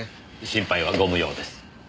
心配はご無用です。